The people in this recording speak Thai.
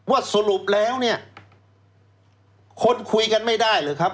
สรุปแล้วเนี่ยคนคุยกันไม่ได้หรือครับ